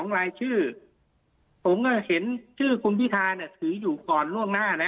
รายชื่อผมก็เห็นชื่อคุณพิธาเนี่ยถืออยู่ก่อนล่วงหน้านะ